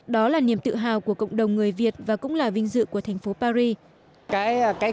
đó là niềm tự hào của cộng đồng người việt và cũng là vinh dự của thành phố paris